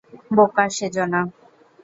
বোকা সেজো না!